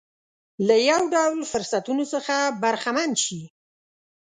له یو ډول فرصتونو څخه برخمن شي.